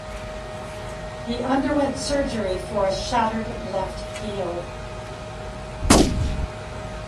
He underwent surgery for a shattered left heel.